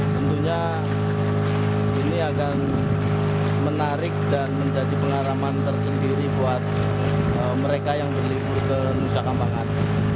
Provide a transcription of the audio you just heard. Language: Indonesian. tentunya ini akan menarik dan menjadi pengalaman tersendiri buat mereka yang berlibur ke nusa kambangan